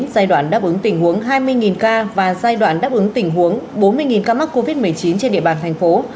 giai đoạn đáp ứng tình huống hai mươi ca và giai đoạn đáp ứng tình huống bốn mươi ca mắc covid một mươi chín trên địa bàn thành phố